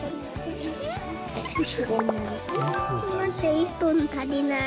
１本足りない。